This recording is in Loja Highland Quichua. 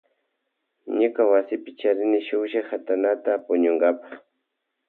Ñuka wasipi charini shuklla katanata puñunkapa.